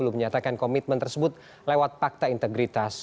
menyatakan komitmen tersebut lewat fakta integritas